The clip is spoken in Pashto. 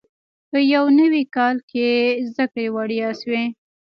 په یو نوي کال کې زده کړې وړیا شوې.